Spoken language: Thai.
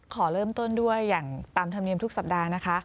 ขอเริ่มต้นด้วยอย่างตามธรรมเนียมทุกสัปดาห์นะคะ